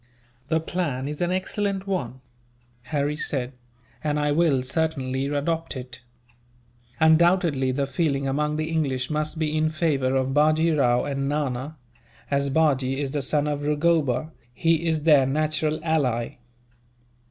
"The plan is an excellent one," Harry said, "and I will certainly adopt it. Undoubtedly, the feeling among the English must be in favour of Bajee Rao and Nana. As Bajee is the son of Rugoba, he is their natural ally.